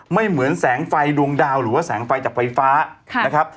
ไม่เหมือนแสงไฟดวงดาวหรือว่าแสงไฟจากไฟฟ้านะครับ